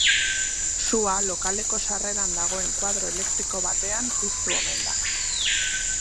Sua lokaleko sarreran dagoen koadro elektriko batean piztu omen da.